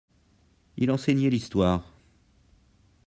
Il enseignait l'histoire.